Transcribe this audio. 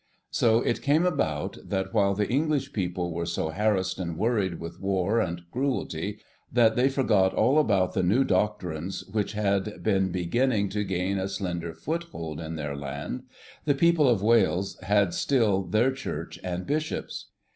So it came about that, while the English people were so harassed and worried with war and cruelty that they forgot all about the new doctrines which had been beginning to gain a slender foothold in their land, the people of Wales had still their Church and Bishops.